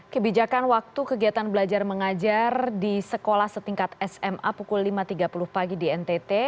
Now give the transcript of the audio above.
kebijakan waktu kegiatan belajar mengajar di sekolah setingkat sma pukul lima tiga puluh pagi di ntt